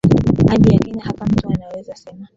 aji ya kenya hapa mtu anaweza sema